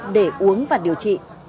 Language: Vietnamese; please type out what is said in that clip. để uống và điều trị